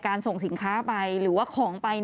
ส่งสินค้าไปหรือว่าของไป